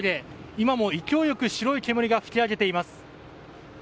今も勢いよく白い煙が噴き上げています。